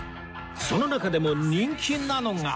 その中でも人気なのが